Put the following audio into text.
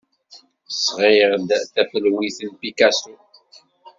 Sɣiɣ-d tafelwit n Picasso.